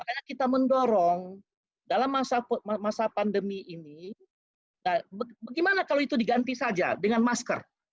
karena kita mendorong dalam masa pandemi ini bagaimana kalau itu diganti saja dengan masker